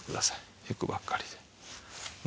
引くばっかりでね。